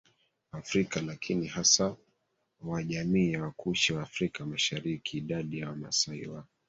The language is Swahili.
Afrika lakini hasa wa jamii ya Wakushi wa Afrika MasharikiIdadi ya Wamasai wa